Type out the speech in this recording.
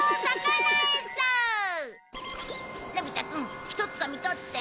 のび太くんひとつかみ取って。